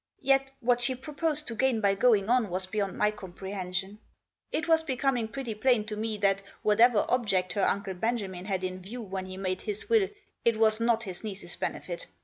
Yet what she proposed to gain by going on was beyond my comprehension. It was becoming pretty plain to me that whatever object her Uncle Benjamin had in view when he made his will it was not his niece's benefit.